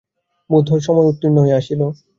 বোধ হয়, সময় উত্তীর্ণ হইয়া আসিল।